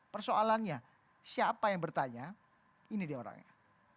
persoalannya siapa yang bertanya ini dia orangnya